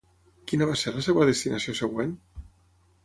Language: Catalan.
Quina va ser la seva destinació següent?